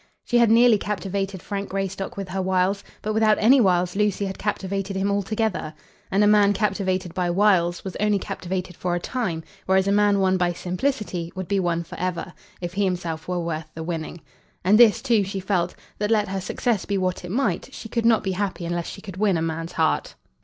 She had nearly captivated Frank Greystock with her wiles, but without any wiles Lucy had captivated him altogether. And a man captivated by wiles was only captivated for a time, whereas a man won by simplicity would be won for ever, if he himself were worth the winning. And this, too, she felt, that let her success be what it might, she could not be happy unless she could win a man's heart.